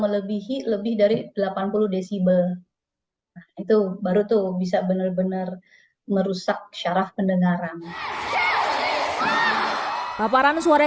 melebihi lebih dari delapan puluh desible itu baru tuh bisa bener bener merusak syaraf pendengaran paparan suara